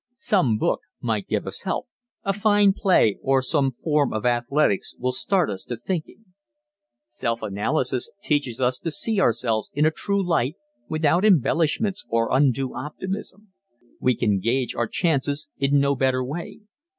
Some book might give us help a fine play, or some form of athletics will start us to thinking. Self analysis teaches us to see ourselves in a true light without embellishments or undue optimism. We can gauge our chances in no better way.